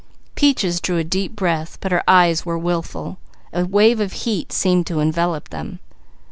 Peaches drew a deep breath but her eyes were wilful. A wave of heat seemed to envelop them.